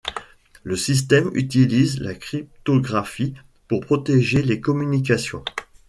Le système utilise la cryptographie pour protéger les communications.